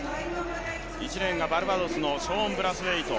１レーンがバルバドスのショーン・ブラスウェイト。